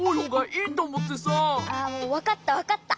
あもうわかったわかった。